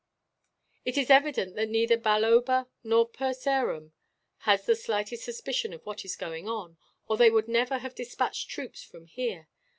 "It is evident that neither Balloba nor Purseram has the slightest suspicion of what is going on, or they would never have despatched troops from here.